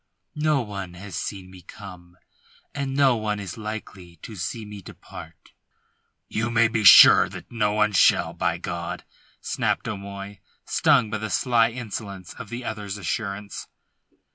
"No one has seen me come, and no one is likely to see me depart." "You may be sure that no one shall, by God," snapped O'Moy, stung by the sly insolence of the other's assurance.